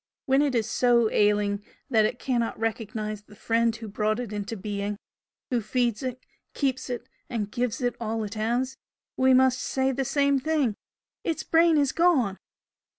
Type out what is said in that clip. When it is so ailing that it cannot recognise the Friend who brought it into being, who feeds it, keeps it, and gives it all it has, we must say the same thing 'Its brain is gone!'"